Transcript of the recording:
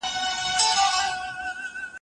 دلته ټول تاریخ په سرو وینو ککړ دی